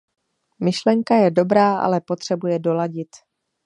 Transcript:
Myšlenka je dobrá, ale potřebuje doladit.